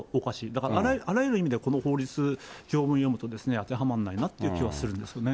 だからあらゆる意味では、この法律、条文読むと、当てはまらないなという気はするんですよね。